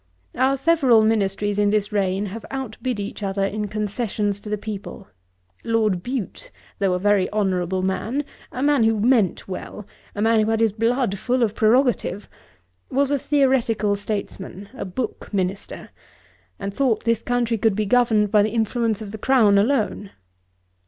Our several ministries in this reign have outbid each other in concessions to the people. Lord Bute, though a very honourable man, a man who meant well, a man who had his blood full of prerogative, was a theoretical statesman, a book minister, and thought this country could be governed by the influence of the Crown alone.